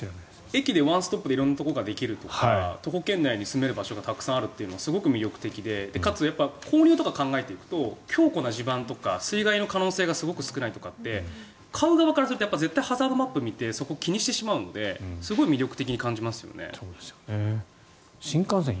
駅でワンストップで色んなものがあるとか徒歩圏内に住める場所がたくさんあるのは魅力的で交流とか考えると強固な地盤とか水害の可能性がすごく少ないとかって買うほうからしたらハザードマップを見てそこを気にしてしまうのですごい魅力的に感じますよね。